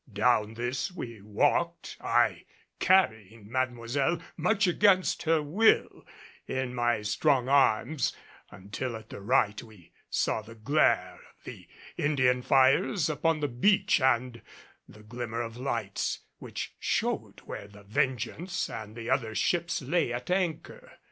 Down this we walked, I carrying Mademoiselle, much against her will, in my strong arms, until at the right we saw the glare of the Indian fires upon the beach and the glimmer of lights which showed where the Vengeance and the other ships lay at anchor.